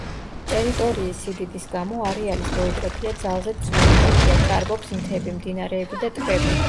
ტერიტორიის სიდიდის გამო, არეალის გეოგრაფია ძალზედ ცვალებადია, ჭარბობს მთები, მდინარეები და ტბები.